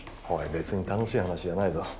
おい別に楽しい話じゃないぞ。